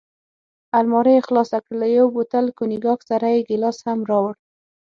المارۍ یې خلاصه کړل، له یو بوتل کونیګاک سره یې ګیلاس هم راوړ.